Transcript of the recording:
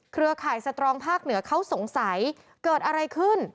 เครือข่ายสตรองภาคเหนือเขาสงสัยเกิดอะไรขึ้น